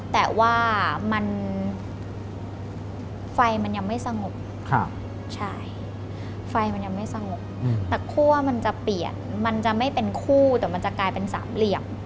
แต่ว่าไฟมันยังไม่สงบแต่คู่ว่ามันจะเปลี่ยนมันจะไม่เป็นคู่แต่มันจะกลายเป็นสามเหลี่ยม